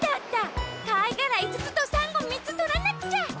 かいがらいつつとさんごみっつとらなくちゃ！